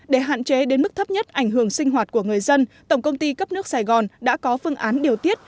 để hạn chế đến mức thấp nhất ảnh hưởng sinh hoạt của người dân tổng công ty cấp nước sài gòn đã có phương án điều tiết